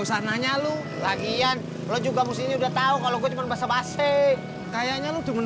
sampai jumpa di video selanjutnya